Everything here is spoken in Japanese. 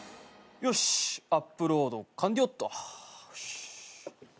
よしアップロード完了っと。